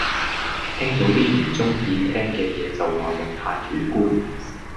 聽到啲唔鐘意聽嘅野就話人太主觀